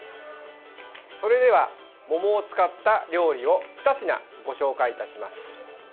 それでは、桃を使った料理を２品ご紹介いたします。